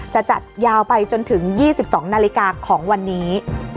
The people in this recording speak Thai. จะจัดยาวไปจนถึง๒๒นาฬิกาของวันนี้